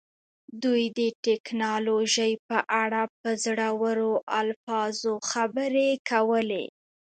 دوی د ټیکنالوژۍ په اړه په زړورو الفاظو خبرې کولې